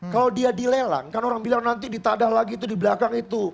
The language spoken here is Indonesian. kalau dia dilelang kan orang bilang nanti ditadah lagi itu di belakang itu